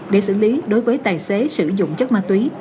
để xử lý đối với tài xế sử dụng chất ma túy